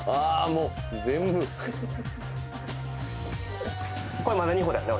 もう全部これまだ２歩だよね？